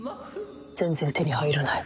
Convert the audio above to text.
全然手に入らない。